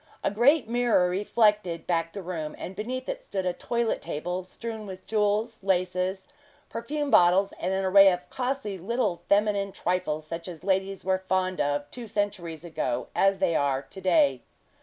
A great mirror reflected back the room, and beneath it stood a toilet table, strewn with jewels, laces, perfume bottles, and an array of costly little feminine trifles such as ladies were as fond of two centuries ago as they are to day.